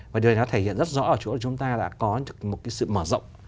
và điều này nó thể hiện rất rõ ở chỗ chúng ta đã có một cái sự mở rộng